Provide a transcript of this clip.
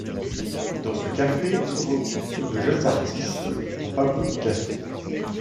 Dans ce café se regroupent de jeunes artistes dont Pablo Picasso.